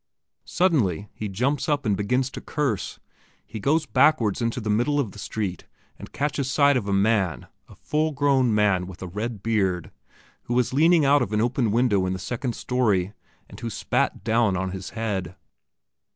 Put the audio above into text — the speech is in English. Suddenly he jumps up and begins to curse; he goes backwards to the middle of the street and catches sight of a man, a grown up man, with a red beard, who is leaning out of an open window in the second storey, and who spat down on his head.